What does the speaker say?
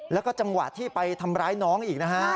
แล้วก็จังหวะที่ไปทำร้ายน้องอีกนะฮะ